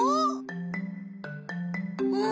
うん。